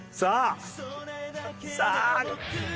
さあ。